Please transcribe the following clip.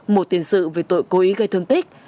một tiền sự về tội cố ý gây thương tích